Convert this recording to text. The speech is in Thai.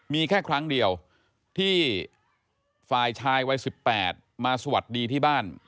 มีแค่ครั้งเดียวที่ฝ่ายชายวัย๑๘มาสวัสดีที่บ้าน